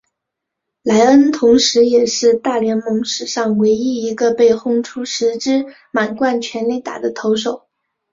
莱恩同时也是大联盟史上唯一一个被轰出十支满贯全垒打的投手。